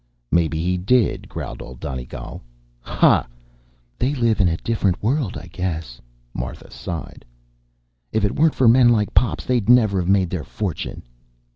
"Maybe he did," growled Old Donegal. "Hah!" "They live in a different world, I guess," Martha sighed. "If it weren't for men like Pops, they'd never've made their fortune."